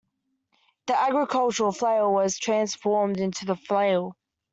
The agricultural flail was transformed into the flail.